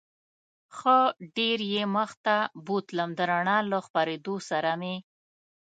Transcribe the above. ښه ډېر یې مخ ته بوتلم، د رڼا له خپرېدو سره مې.